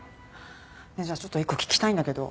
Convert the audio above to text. ねえじゃあちょっと一個聞きたいんだけど。